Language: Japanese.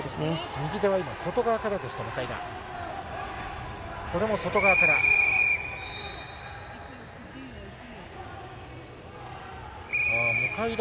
右手は外側からでした、向田。